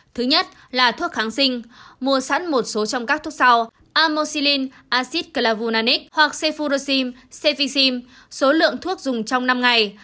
thứ nhất là thuốc kháng sinh mua sẵn một số trong các thuốc sau amoxilin acid clavulanic hoặc cefurosim cefixim số lượng thuốc dùng trong năm ngày